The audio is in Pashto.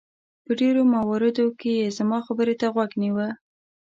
په ډېرو مواردو کې یې زما خبرې ته غوږ نیوه.